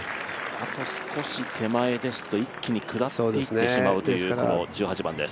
あと少し手前ですと一気に下っていってしまうという１８番です。